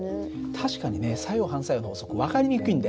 確かにね作用・反作用の法則分かりにくいんだよ。